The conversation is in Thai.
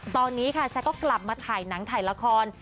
ตอนนี้ค่ะแซคก็กลับมาถ่ายหนังถ่ายละคร